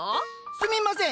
すみません！